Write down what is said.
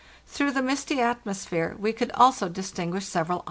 Through the misty atmosphere we could also distinguish several islands.